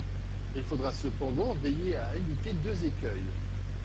Il faudra cependant veiller à éviter deux écueils.